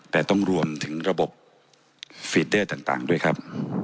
แต่ต้องรวมถึงระบบฟีดเดอร์ต่างด้วยครับ